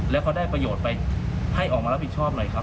แล้วเขาได้ประโยชน์ไปให้ออกมารับผิดชอบหน่อยครับ